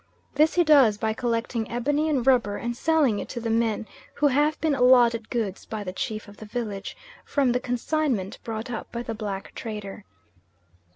This he does by collecting ebony and rubber and selling it to the men who have been allotted goods by the chief of the village, from the consignment brought up by the black trader.